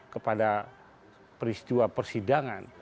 kepada peristiwa persidangan